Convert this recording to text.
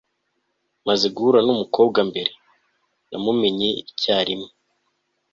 maze guhura numukobwa mbere, namumenye icyarimwe